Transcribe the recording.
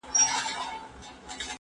أحسن د ډير ښايسته په معنی دی.